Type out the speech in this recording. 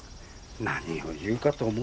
何を言うかと思えば。